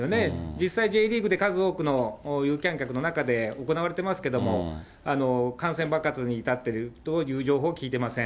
実際Ｊリーグで、数多くの有観客の中で行われてますけれども、感染爆発に到っているという情報は聞いていません。